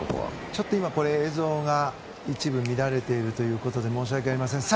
ちょっと映像が一部乱れているということで申し訳ありません。